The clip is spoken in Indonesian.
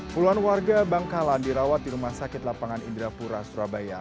puluhan warga bangkalan dirawat di rumah sakit lapangan indrapura surabaya